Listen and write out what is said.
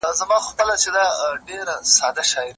نور به یې نه کوې پوښتنه چي د چا کلی دی